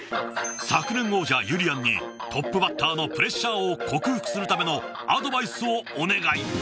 昨年王者ゆりやんにトップバッタ―のプレッシャ―を克服するためのアドバイスをお願い。